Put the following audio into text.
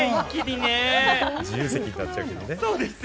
自由席になっちゃうけれどもね。